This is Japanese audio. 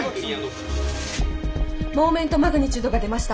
モーメントマグニチュードが出ました。